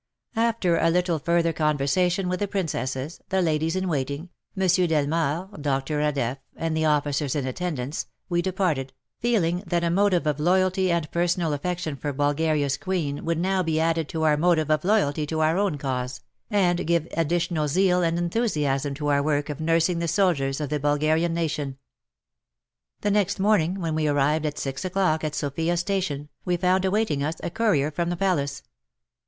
After a little further conversation with the Princesses, the ladies in waiting, Mons. Delmard, Dr. Radeff and the officers in attendance, we departed, feeling that a motive of loyalty and personal affection for Bulgaria's Queen would now be added to our motive of loyalty to our own cause, and give additional zeal and enthusiasm to our work of nursing the soldiers of the Bulgarian nation. The next morning, when we arrived at six o'clock at Sofia station, we found awaiting us a courier from the Palace.